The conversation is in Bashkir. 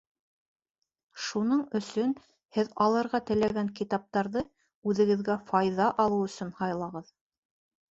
Шуның өсөн һеҙ алырға теләгән китаптарҙы үҙегеҙгә файҙа алыу өсөн һайлағыҙ.